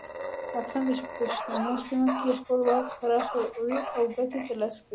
پاکستان د پښتنو سیمه کې خپل واک پراخوي او ګټې ترلاسه کوي.